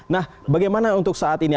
nah bagaimana untuk saat ini